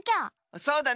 そうだね。